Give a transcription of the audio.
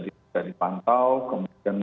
bisa dipantau kemudian